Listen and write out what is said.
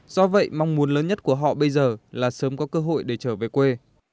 do vậy mong muốn lớn nhất của họ bây giờ là sớm có cơ hội để trở về quê